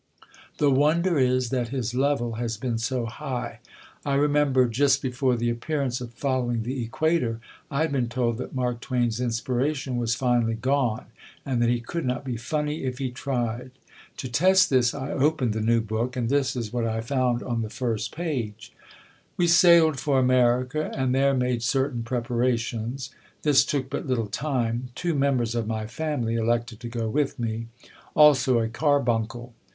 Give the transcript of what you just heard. The wonder is that his level has been so high. I remember, just before the appearance of Following the Equator, I had been told that Mark Twain's inspiration was finally gone, and that he could not be funny if he tried. To test this, I opened the new book, and this is what I found on the first page: "We sailed for America, and there made certain preparations. This took but little time. Two members of my family elected to go with me. Also a carbuncle.